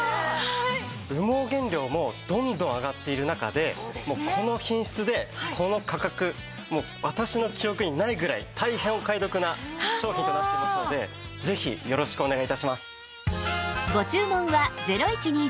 羽毛原料もどんどん上がっている中でこの品質でこの価格私の記憶にないぐらい大変お買い得な商品となってますのでぜひよろしくお願い致します。